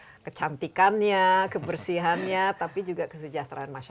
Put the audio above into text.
baik dari segi kecantikannya kebersihannya tapi juga kesejahteraan masyarakatnya